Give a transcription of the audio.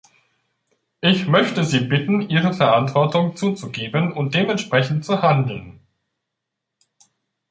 Ich möchte Sie bitten, Ihre Verantwortung zuzugeben und dementsprechend zu handeln.